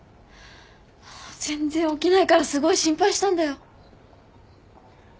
全然起きないからすごい心配したんだよ。